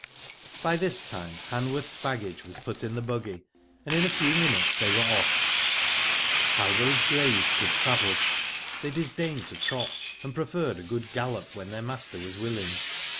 By this time Hanworth's baggage was put in the buggy, and in a few minutes they were off. How those greys could travel. They disdained to trot, and preferred a good gallop when their master was willing.